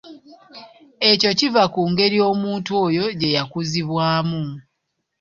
Ekyo kiva ku ngeri omuntu oyo gye yakuzibwamu.